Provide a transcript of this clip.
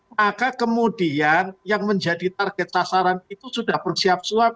maka kemudian yang menjadi target sasaran itu sudah bersiap suap